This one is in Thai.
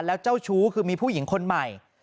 แล้วเจ้าชู้คือมีผู้หญิงคนใหม่